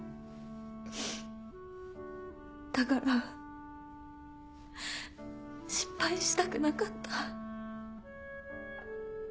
だから失敗したくなかった。